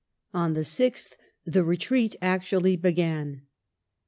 On the 6th the retreat actually began.